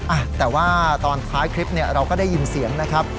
อ่ะแต่ว่าตอนท้ายคลิปเนี่ยเราก็ได้ยินเสียงนะครับ